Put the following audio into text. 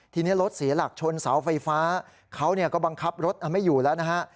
ทีนี้รถเสียหลักชนเสาไฟฟ้าเขาก็บังคับรถไม่อยู่แล้วนะฮะ